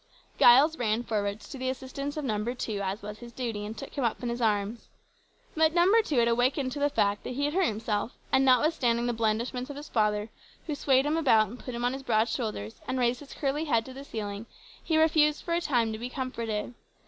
Giles ran forward to the assistance of Number 2, as was his duty, and took him up in his arms. But Number 2 had awakened to the fact that he had hurt himself, and, notwithstanding the blandishments of his father, who swayed him about and put him on his broad shoulders, and raised his curly head to the ceiling, he refused for a long time to be comforted.